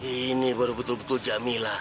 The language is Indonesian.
ini baru betul betul jamila